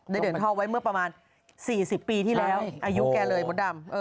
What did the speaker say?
เดินท่อไว้เมื่อประมาณ๔๐ปีที่แล้วอายุแกเลยมดดำ